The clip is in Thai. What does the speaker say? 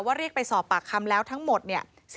เรียกไปสอบปากคำแล้วทั้งหมดเนี่ย